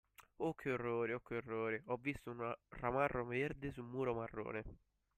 Oh che orrore oh che orrore, ho visto un ramarro verde su un muro marrone.